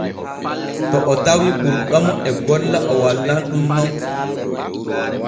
To o tawii ɓurɗomo e golla o wallan ɗun non.